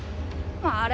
あれ？